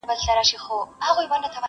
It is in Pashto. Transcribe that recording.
رنځ یې تللی له هډونو تر رګونو٫